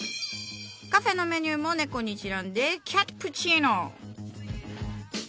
カフェのメニューも猫にちなんで「キャットプチーノ」。